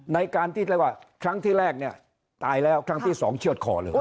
ในการที่ครั้งที่แรกตายแล้วครั้งที่๒เชื่อดคอเลย